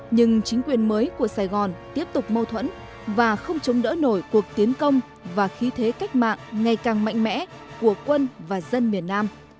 nhưng chính quyền mới của sài gòn tiếp tục mâu thuẫn và không chống đỡ nổi cuộc tiến công và khí thế cách mạng ngày càng mạnh mẽ của quân và dân miền nam